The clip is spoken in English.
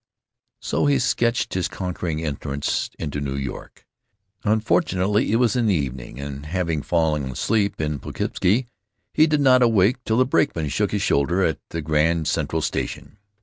So he sketched his conquering entrance into New York. Unfortunately it was in the evening, and, having fallen asleep at Poughkeepsie, he did not awake till a brakeman shook his shoulder at the Grand Central Station.